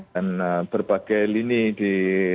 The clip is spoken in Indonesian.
dan berbagai lini di